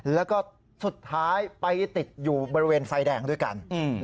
แล้วก็สุดท้ายไปติดอยู่บริเวณไฟแดงด้วยกัน